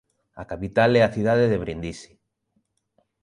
A capital é a cidade de Brindisi.